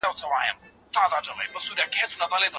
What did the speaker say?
پښتو غرور پیاوړی کوي.